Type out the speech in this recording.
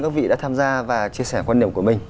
các vị đã tham gia và chia sẻ quan điểm của mình